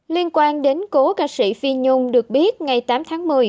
liên quan đến cố ca sĩ phi nhung được biết ngày tám tháng một mươi